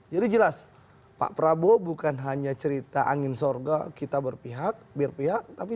jadi jelas pak prabowo bukan hanya cerita angin sorga kita berpihak biar pihak tapi